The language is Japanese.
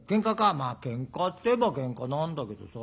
「まあケンカっていえばケンカなんだけどさ。